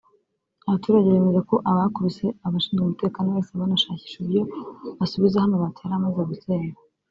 Abaturage bemeza ko abakubise abashinzwe umutekano bahise banashakisha uburyo basubizaho amabati yari amaze gusenywa